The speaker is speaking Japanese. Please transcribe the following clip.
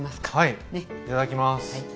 はいいただきます。